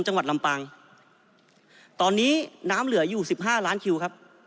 จังหวัดลำปางตอนนี้น้ำเหลืออยู่สิบห้าล้านคิวครับ